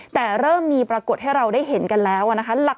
แต่เริ่มมีปรากฏให้เราได้เห็นกันแล้วนะคะ